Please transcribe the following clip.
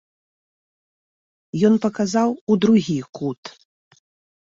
Ён паказаў у другі кут.